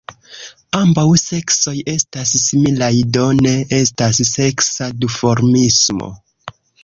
Ambaŭ seksoj estas similaj, do ne estas seksa duformismo.